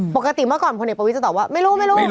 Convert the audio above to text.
ปกติเมื่อก่อนพลเอกประวิทย์จะตอบว่าไม่รู้ไม่รู้